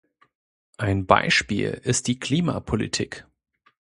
Ein Beispiel ist die Klimapolitik.